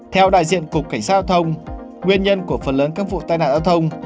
theo đại diện cục cảnh sát giao thông nguyên nhân của phần lớn các vụ tai nạn giao thông